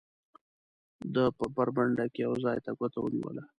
ده په برنډه کې یو ځای ته ګوته ونیوله.